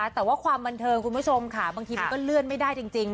แต่ว่าความบันเทิงคุณผู้ชมค่ะบางทีมันก็เลื่อนไม่ได้จริง